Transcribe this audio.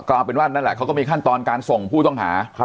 ก็เอาเป็นว่านั่นแหละเขาก็มีขั้นตอนการส่งผู้ต้องหา